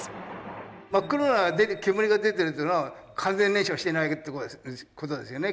真っ黒な煙が出てるっていうのは完全燃焼してないってことですよね